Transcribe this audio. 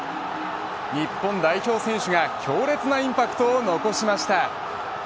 日本代表選手が強烈なインパクトを残しました。